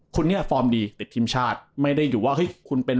คนนี้ฟอร์มดีติดทีมชาติไม่ได้อยู่ว่าเฮ้ยคุณเป็น